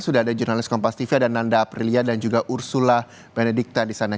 sudah ada jurnalis kompastifi ada nanda aprilia dan juga ursula penedikta di sana